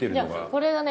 これがね。